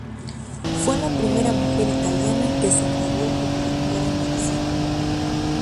Fue la primera mujer italiana que se graduó como doctora en Medicina.